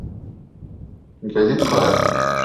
Гәзит ҡарай.